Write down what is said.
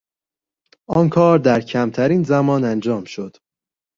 آن کار در کمترین زمان انجام شد.